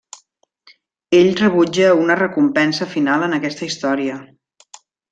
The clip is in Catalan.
Ell rebutja una recompensa final en aquesta història.